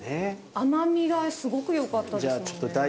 甘みがすごくよかったですもんね。